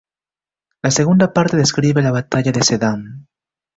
La segunda parte describe la batalla de sedán.